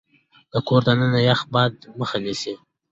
د کور دننه يخ باد مخه ونيسئ.